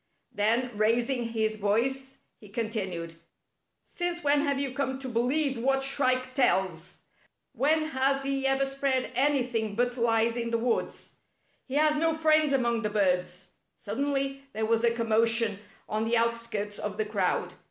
Then, raising his voice, he continued: " Since when have you come to be lieve what Shrike tells ! When has he ever spread anything but lies in the woods? He has no friends among the birds —" Suddenly there was a commotion on the out skirts of the crowd.